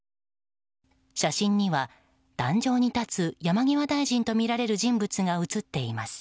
写真には壇上に立つ山際大臣とみられる人物が写っています。